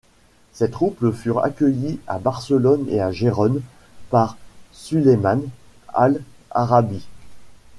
Ses troupes furent accueillies à Barcelone et à Gérone par Sulayman al-Arabi.